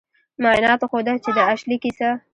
معایناتو ښوده چې د اشلي کیسه